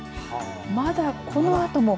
まだこのあとも。